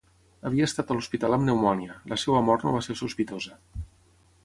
Havia estat a l'hospital amb pneumònia, la seva mort no va ser sospitosa.